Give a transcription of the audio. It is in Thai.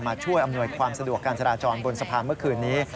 ช่วยอำนวยความสะดวกการจราจรบนสะพานเมื่อคืนนี้